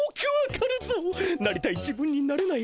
なりたい自分になれない